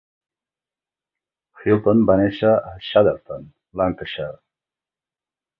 Hilton va néixer a Chadderton, Lancashire.